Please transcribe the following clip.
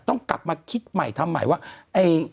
ต้องกลับมาคิดใหม่ทำใหม่ว่า